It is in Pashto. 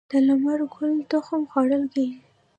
د لمر ګل تخم خوړل کیږي.